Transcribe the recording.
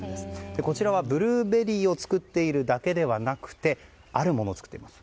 こちらはブルーベリーを作っているだけではなくてあるものを作っています。